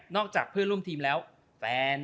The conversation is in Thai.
จากเพื่อนร่วมทีมแล้วแฟน